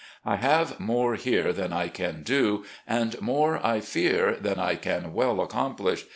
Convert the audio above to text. I have more here than I can do, and more, I fear, than I can well accomplish.